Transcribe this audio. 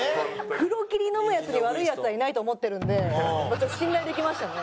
黒霧飲むヤツに悪いヤツはいないと思ってるんでちょっと信頼できましたね。